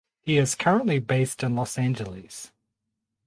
He is currently based in Los Angeles.